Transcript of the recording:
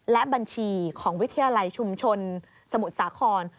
และบัญชีของวิทยาลัยชุมชนสมุทรสาคร